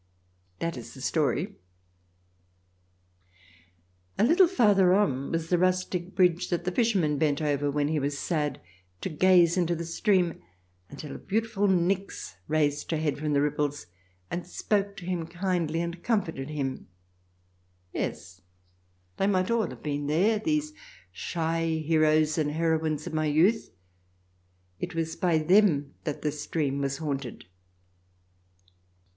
That is the story, A little farther on was the rustic bridge that the Fisherman bent over when he was sad, to gaze into the stream until a beautiful Nix raised her head from the ripples, and spoke to him kindly and comforted him. Yes ; they might all have been there — these shy heroes and heroines of my youth. It was by them that the stream was haunted.